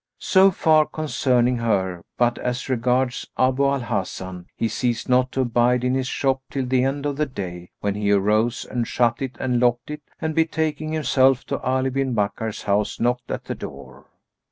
So far concerning her; but as regards Abu al Hasan, he ceased not to abide in his shop till the end of the day, when he arose and shut it and locked it and betaking himself to Ali bin Bakkar's house knocked at the door.